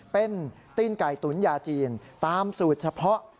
เป็นตีนไก่ตุ๋นยาจีนตามสูตรเฉพาะ